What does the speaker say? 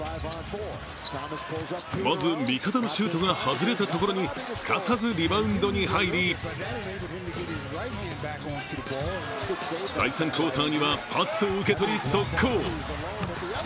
まず、味方のシュートが外れたところにすかさずリバウンドに入り第３クオーターにはパスを受け取り速攻。